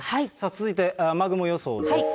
続いて雨雲予想です。